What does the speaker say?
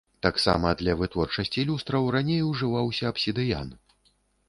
Таксама для вытворчасці люстраў раней ужываўся абсідыян.